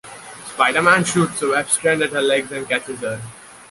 Spider-Man shoots a web strand at her legs and catches her.